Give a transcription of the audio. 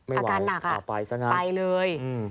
อาการหนักค่ะไปเลย